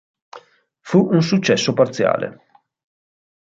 Fu un successo parziale.